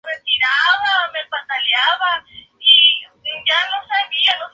Los billetes de una libra fueron retirados de circulación.